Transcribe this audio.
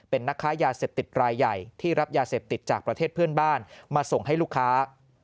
เป็นนักค้ายาเสพติดรายใหญ่ที่รับยาเสพติดจากประเทศเพื่อนบ้านมาส่งให้ลูกค้า